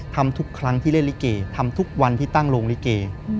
ทำทุกครั้งที่เล่นลิเกทำทุกวันที่ตั้งโรงลิเก